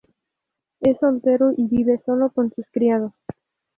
Es soltero y vive solo con sus criados.